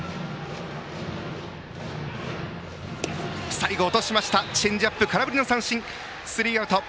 最後、落としましたチェンジアップ、空振りの三振スリーアウト。